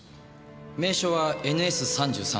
名称は「ＮＳ３３式」。